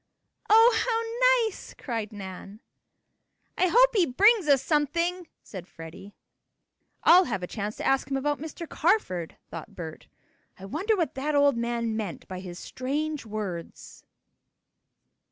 "Oh, how nice!" cried Nan. "I hope he brings us something," said Freddie. "I'll have a chance to ask him about Mr. Carford," thought Bert. "I wonder what that old man meant by his strange words?"